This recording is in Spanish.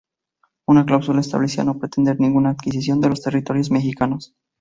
Una cláusula establecía no pretender ninguna adquisición de los territorios mexicanos.